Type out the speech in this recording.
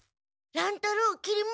乱太郎きり丸！